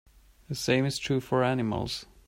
The same is true for animals.